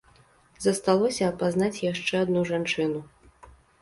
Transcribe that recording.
Засталося апазнаць яшчэ адну жанчыну.